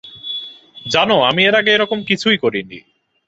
জানো, আমি এর আগে এরকম কিছুই করিনি।